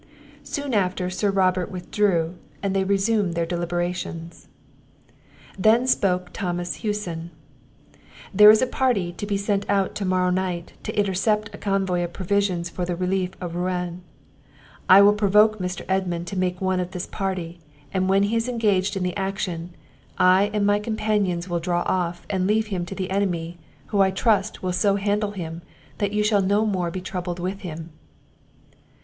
Soon after Sir Robert withdrew, and they resumed their deliberations. Then spoke Thomas Hewson: "There is a party to be sent out to morrow night, to intercept a convoy of provisions for the relief of Rouen; I will provoke Mr. Edmund to make one of this party, and when he is engaged in the action, I and my companions will draw off, and leave him to the enemy, who I trust will so handle him, that you shall no more be troubled with him."